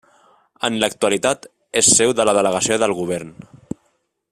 En l'actualitat, és seu de la Delegació del Govern.